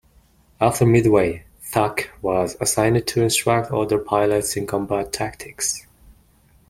After Midway, Thach was assigned to instruct other pilots in combat tactics.